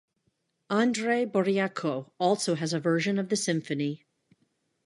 Andrei Boreyko also has a version of the symphony.